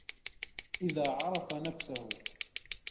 إذَا عَرَفَ نَفْسَهُ